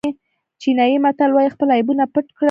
چینایي متل وایي خپل عیبونه پټ کړئ.